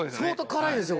辛いですよ！